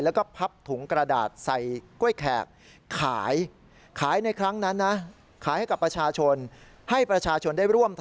แล้วก็พับถุงกระดาษใส่กล้วยแขกขาย